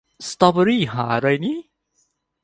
สตรอว์เบอรี่ห่าไรนิ